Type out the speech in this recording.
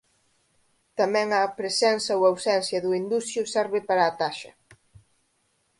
Tamén a presenza ou ausencia do indusio serve para a taxa.